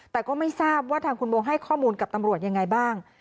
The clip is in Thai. แต่ก็ไม่ทราบว่าทางคุณโบให้ข้อมูลกับตำรวจยังไงบ้าง